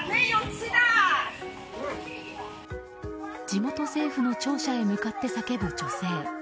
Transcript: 地元政府の庁舎へ向かって叫ぶ女性。